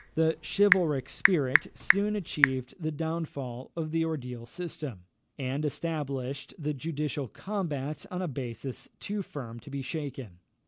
The chivalric spirit soon achieved the downfall of the ordeal system, and established the judicial combat on a basis too firm to be shaken.